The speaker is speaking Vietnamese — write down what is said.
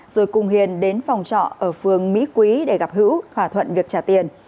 rồi cùng hiền đến phòng trọ ở phường mỹ quý để gặp hữu thỏa thuận việc trả tiền